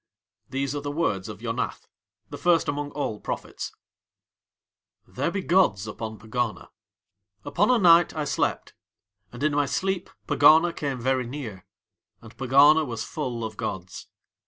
These are the words of Yonath, the first among all prophets: There be gods upon Pegana. Upon a night I slept. And in my sleep Pegana came very near. And Pegana was full of gods.